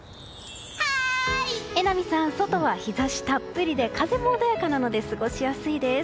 榎並さん外は日差したっぷりで風も穏やかなので過ごしやすいです。